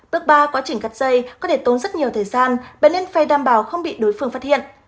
bước ba quá trình cắt dây có thể tốn rất nhiều thời gian và nên phày đảm bảo không bị đối phương phát hiện